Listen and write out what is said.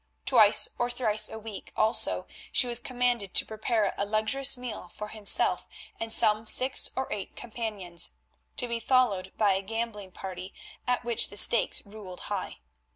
Twice or thrice a week also she was commanded to prepare a luxurious meal for himself and some six or eight companions, to be followed by a gambling party at which the stakes ruled high.